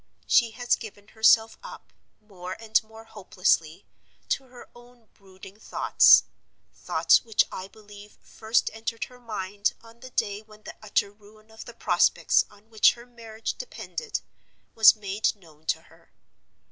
She has given herself up, more and more hopelessly, to her own brooding thoughts; thoughts which I believe first entered her mind on the day when the utter ruin of the prospects on which her marriage depended was made known to her.